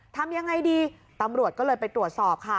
ทำยังไงดีตำรวจก็เลยไปตรวจสอบค่ะ